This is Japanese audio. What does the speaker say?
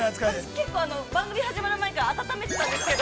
◆結構、番組始まる前からあたためてたんですけど。